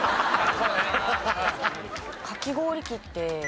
かき氷機って。